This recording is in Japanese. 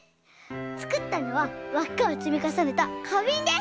つくったのはわっかをつみかさねたかびんです。